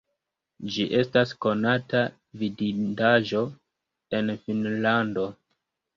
Ĝi estas konata vidindaĵo en Finnlando.